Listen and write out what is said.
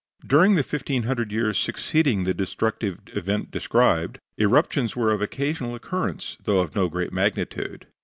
During the fifteen hundred years succeeding the destructive event described eruptions were of occasional occurrence, though of no great magnitude.